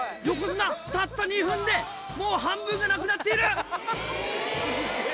横綱たった２分でもう半分がなくなっている！